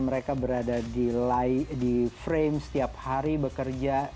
mereka berada di frame setiap hari bekerja